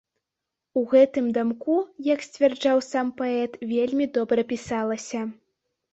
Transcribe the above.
У гэтым дамку, як сцвярджаў сам паэт, вельмі добра пісалася.